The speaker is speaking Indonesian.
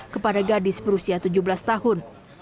kepada gadis berusia tujuh belas tahun